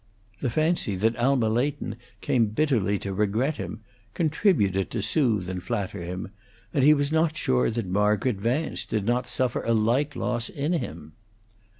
The fancy that Alma Leighton came bitterly to regret him, contributed to soothe and flatter him, and he was not sure that Margaret. Vance did not suffer a like loss in him.